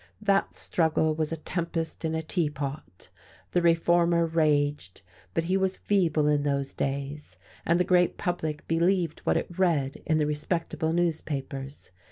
That struggle was a tempest in a tea pot. The reformer raged, but he was feeble in those days, and the great public believed what it read in the respectable newspapers.